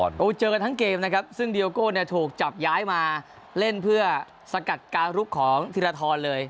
เจอกันทั้งเกมนะครับซึ่งเดียโก้เนี่ยถูกจับย้ายมาเล่นเพื่อสกัดการลุกของธีรทรเลย